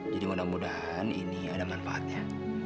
jadi mudah mudahan ini ada manfaatnya